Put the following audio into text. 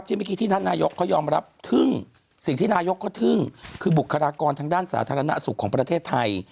เมื่อกี้ที่ท่านนายกเขายอมรับทึ่งสิ่งที่นายกเขาทึ่งคือบุคลากรทางด้านสาธารณสุขของประเทศไทย